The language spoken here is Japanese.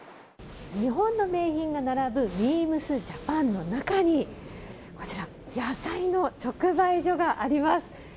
日本の銘品が並ぶビームスジャパンの中にこちら野菜の直売所があります。